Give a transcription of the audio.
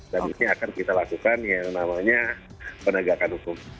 dan ini akan kita lakukan yang namanya penegakan hukum